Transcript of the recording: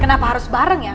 kenapa harus bareng ya